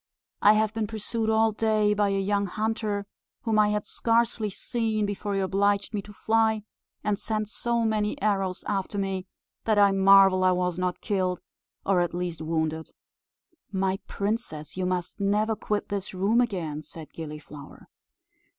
I have been pursued all day by a young hunter, whom I had scarcely seen, before he obliged me to fly; and sent so many arrows after me that I marvel I was not killed, or at least wounded." "My princess, you must never quit this room again," said Gilliflower.